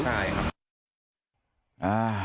ใช่ครับ